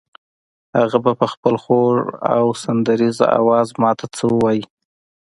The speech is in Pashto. هغه به په خپل خوږ او سندریزه آواز ماته څه ووایي.